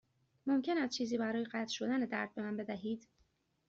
ممکن است چیزی برای قطع شدن درد به من بدهید؟